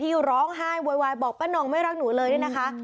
ที่ร้องห้าววยวายบอกป้านองไม่ลักหนูเลยนะนะคะ